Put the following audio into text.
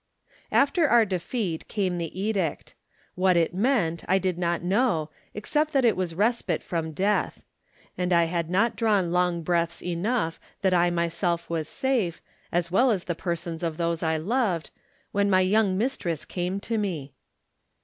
After our defeat came the edict. What it meant I did not know, except that it was respite from death; and I had not drawn long breaths enough that I myself was safe, as well as the persons of those I loved, when my young mistress came to me.